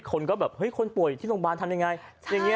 คนก็แบบคนป่วยที่โรงพยาบาลทำยังไง